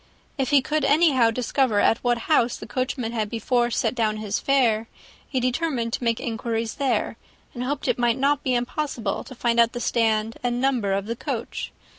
If he could anyhow discover at what house the coachman had before set down his fare, he determined to make inquiries there, and hoped it might not be impossible to find out the stand and number of the coach.